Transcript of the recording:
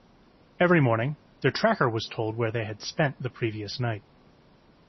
Every morning, their tracker was told where they had spent the previous night.